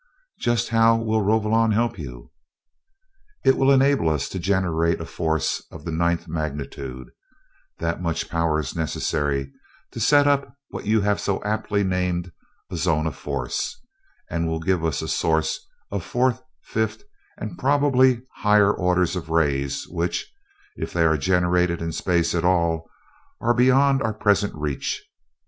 "Just how will Rovolon help you?" "It will enable us to generate a force of the ninth magnitude that much power is necessary to set up what you have so aptly named a zone of force and will give us a source of fourth, fifth, and probably higher orders of rays which, if they are generated in space at all, are beyond our present reach.